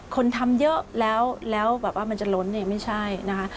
คนทำเยอะแล้วแล้วมันจะล้นไม่ใช่นะคะ